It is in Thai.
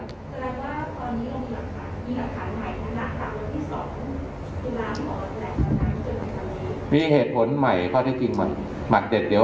อะไรว่าตอนนี้เรามีหลักฐานมีหลักฐานใหม่ของหลักฐานวันที่สองคือร้านหรอหลักฐานที่เจอหลักฐานนี้